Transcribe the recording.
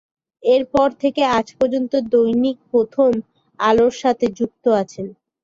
এরপর থেকে আজ পর্যন্ত দৈনিক প্রথম আলোর সাথে যুক্ত আছেন।